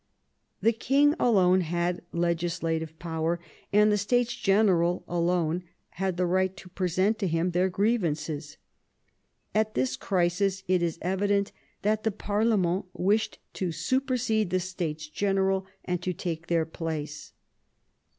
The king alone had legislative power, and the States General alone had the right to present to him their grievances. At this crisis it is evident that the jpa/rlemeni wished to supersede the States General and to take their place.